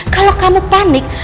kalau kamu panik